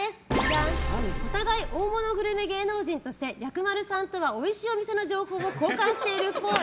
お互い大物グルメ芸能人として薬丸さんとはおいしいお店の情報を交換しているっぽい。